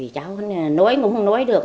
cháu nói cũng không nói được